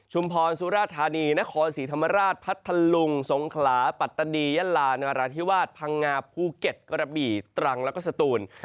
พรสุราธานีนครศรีธรรมราชพัทธลุงสงขลาปัตตานียะลานราธิวาสพังงาภูเก็ตกระบี่ตรังแล้วก็สตูน